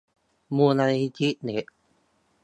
มูลนิธิเด็ก